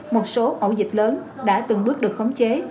một số ổ dịch lớn đã từng bước được khống chế